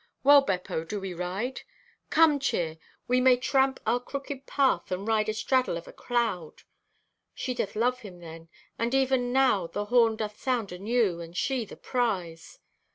Well, Beppo, do we ride? Come, chere, we may tramp our crooked path and ride astraddle of a cloud. "She doth love him, then; and even now the horn doth sound anew—and she the prize!